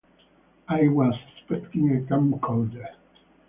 I was expecting a camcorder.